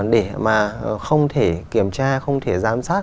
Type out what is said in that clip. để mà không thể kiểm tra không thể giám sát